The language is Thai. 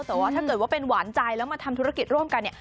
แต่ว่าถ้าเกิดว่าเป็นหวานใจแล้วมาทำธุรกิจร่วมกันเนี่ย